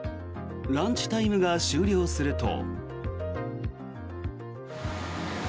ランチタイムが終了すると。